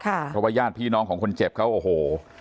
เพราะว่าญาติพี่น้องของคนเจ็บเขาโอ้โห